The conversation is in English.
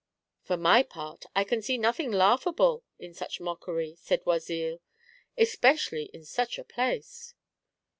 " For my part, I can see nothing laughable in such mockery," said Oisille, " especially in such a place."